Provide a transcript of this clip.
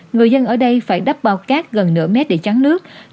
người dân ở đây phải đắp bao cát gần nửa mét để trắng nước